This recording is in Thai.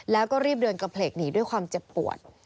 แล้วก็รีบเดินกระเพลกหนีด้วยความเจ็บปวด